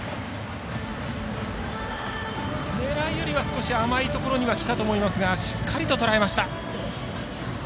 狙いよりは少し甘いところにはきたと思いますがしっかりととらえました。